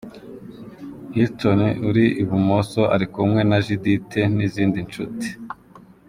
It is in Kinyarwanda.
Hilton uri ibumoso ari kumwe na Judithe n’izindi nshuti.